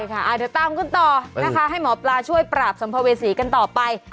เดี๋ยวตามกันต่อนะคะให้หมอปลาช่วยปราบสัมภเวษีกันต่อไป